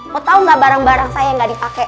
lo tau gak barang barang saya yang gak dipake